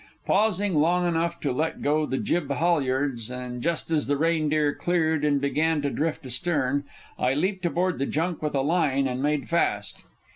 Pausing long enough to let go the jib halyards, and just as the Reindeer cleared and began to drift astern, I leaped aboard the junk with a line and made fast.